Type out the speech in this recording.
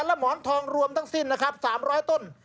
และหมอนทองรวมทั้งสิ้นนะครับ๓๐๐ต้น